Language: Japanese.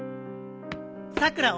さくら